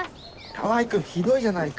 川合君ひどいじゃないか。